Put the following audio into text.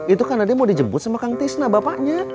itu karena dia mau dijemput sama kang tisna bapaknya